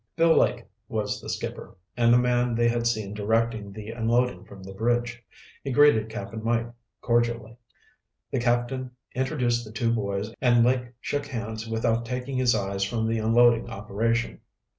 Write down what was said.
Bill Lake was the skipper, and the man they had seen directing the unloading from the bridge. He greeted Cap'n Mike cordially. The captain introduced the two boys and Lake shook hands without taking his eyes from the unloading operation.